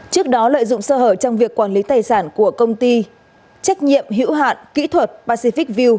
trước đó lợi dụng sơ hở trong việc quản lý tài sản của công ty trách nhiệm hữu hạn kỹ thuật pacific view